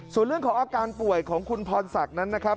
ส่วนเรื่องของอาการป่วยของคุณพรศักดิ์นั้นนะครับ